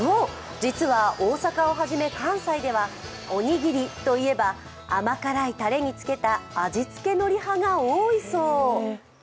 実は大阪をはじめ関西では、おにぎりといえば甘辛いタレにつけた味付けのり派が多いそう。